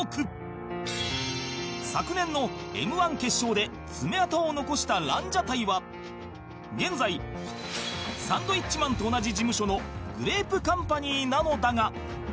昨年の Ｍ−１ 決勝で爪痕を残したランジャタイは現在サンドウィッチマンと同じ事務所のグレープカンパニーなのだが